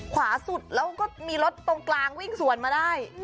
ขวาสุดแล้วก็มีรถตรงกลางวิ่งสวนมาได้